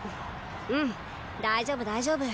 ん大丈夫大丈夫。